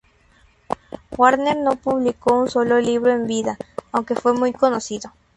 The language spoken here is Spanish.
Warner no publicó un solo libro en vida, aunque fue muy conocido.